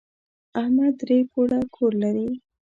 احمد درې پوړه کور لري.